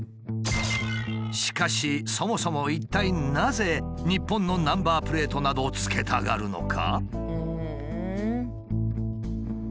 しかしそもそも一体なぜ日本のナンバープレートなどつけたがるのか？